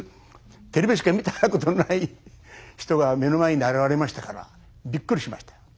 テレビしか見たことない人が目の前に現れましたからびっくりしました。